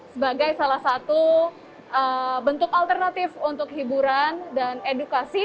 sebagai salah satu bentuk alternatif untuk hiburan dan edukasi